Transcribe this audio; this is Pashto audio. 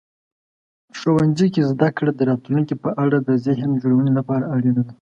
ښوونځي کې زده کړه د راتلونکي په اړه د ذهن جوړونې لپاره اړینه ده.